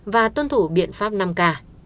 và tuân thủ biện pháp năm k